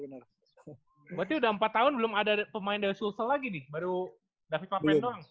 berarti udah empat tahun belum ada pemain dari sulsel lagi nih baru david pappen doang